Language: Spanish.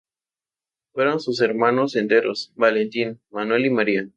Fueron sus hermanos enteros; Valentín, Manuel y María.